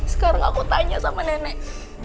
sekarang aku tanya sama nenek